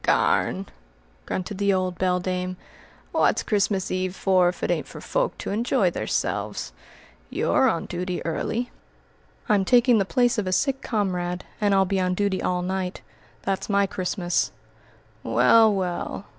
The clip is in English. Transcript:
"Garn!" grunted the old beldame. "Wot's Christmas Eve for, if it ain't for folk to enj'y theirselves? Y'are on duty early." "I'm taking the place of a sick comrade, and I'll be on duty all night. That's my Christmas." "Well! well!